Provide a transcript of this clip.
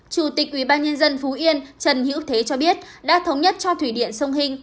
chủ tịch ubnd phú yên trần hữu thế cho biết đã thống nhất cho thủy điện sông hinh